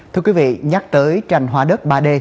thưa quý vị nhắc tới tranh hóa đất ba d